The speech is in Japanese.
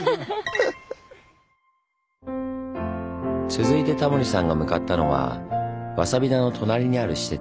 続いてタモリさんが向かったのはわさび田の隣にある施設。